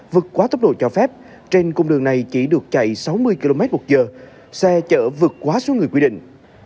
vượt quá tốc độ cho phép trên cung đường này chỉ được chạy sáu mươi kmh xe chở vượt quá số người quy định